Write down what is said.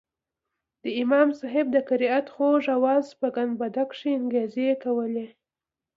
د امام صاحب د قرائت خوږ اواز په ګنبده کښې انګازې کولې.